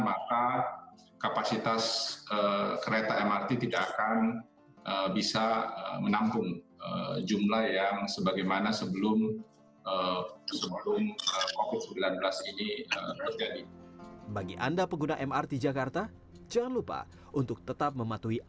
maka kapasitas kereta mrt tidak akan bisa menampung jumlah yang sebagaimana sebelum covid sembilan belas ini berjadi